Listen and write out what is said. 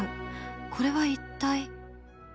これは一体？